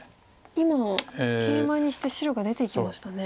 今ケイマにして白が出ていきましたね。